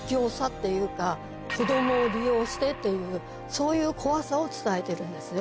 そういう怖さを伝えてるんですね